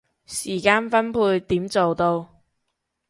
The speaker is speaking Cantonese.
時間分配點做到